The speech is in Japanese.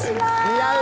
似合う。